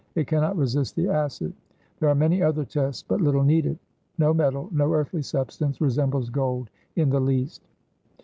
It cannot resist the acid. There are many other tests, but little needed. No metal, no earthly substance, resembles gold in the least."